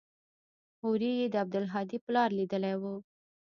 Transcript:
هورې يې د عبدالهادي پلار ليدلى و.